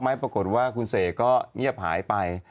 ปรากฏว่าคุณเสกก็เงียบหายไป